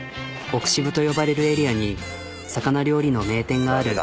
奥渋と呼ばれるエリアに魚料理の名店がある。